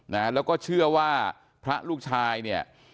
และก็เชื่อว่าพระลูกชาย